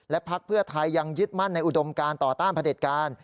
พักเพื่อไทยยังยึดมั่นในอุดมการต่อต้านพระเด็จการ